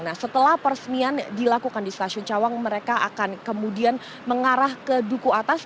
nah setelah peresmian dilakukan di stasiun cawang mereka akan kemudian mengarah ke duku atas